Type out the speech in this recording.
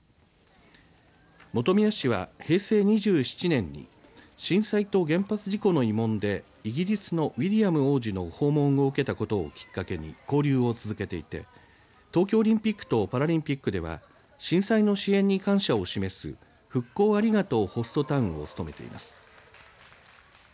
本宮市は平成２７年に震災と原発事故の慰問でイギリスのウィリアム王子の訪問を受けたことをきっかけに交流を続けていて東京オリンピックとパラリンピックでは震災の支援に感謝を示す復興ありがとうホストタウンを務めています。